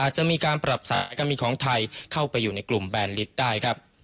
จะมีการปรับสายการบินของไทยเข้าไปอยู่ในกลุ่มแบนลิสต์ได้ครับ